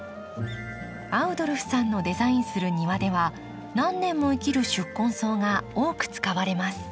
アウドルフさんのデザインする庭では何年も生きる宿根草が多く使われます。